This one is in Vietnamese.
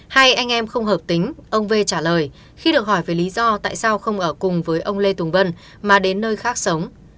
hai anh em không hợp tính ông v trả lời khi được hỏi về lý do tại sao không ở cùng với ông lê tùng vân mà đến nơi khác sống